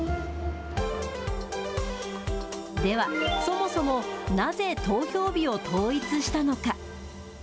では、そもそもなぜ投票日を統一したのか。